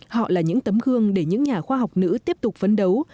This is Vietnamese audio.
họ là những tấm gương để những nhà khoa học nữ tiếp tục phấn đấu